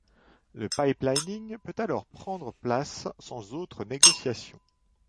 Le pipelining peut alors prendre place sans autre négociation.